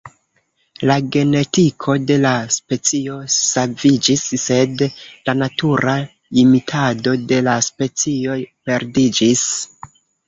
La genetiko de la specio saviĝis, sed la natura imitado de la specio perdiĝis.